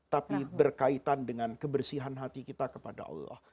tapi berkaitan dengan kebersihan hati kita kepada allah